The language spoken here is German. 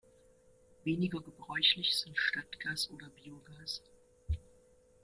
Weniger gebräuchlich sind Stadtgas oder Biogas.